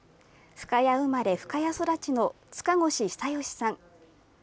深谷生まれ深谷育ちの塚越久義さん。